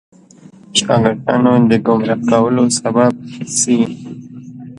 شاګردانو د ګمراه کولو سبب شي.